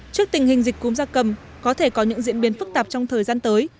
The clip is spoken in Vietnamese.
trước tình hình dịch cúm gia cầm có thể có những diễn biến phức tạp trong thời gian tới